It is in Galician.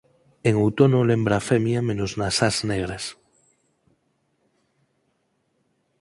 En outono lembra a femia menos nas ás negras.